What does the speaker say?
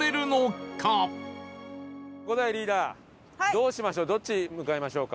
伍代リーダーどうしましょう？